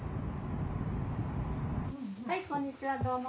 はいこんにちはどうも。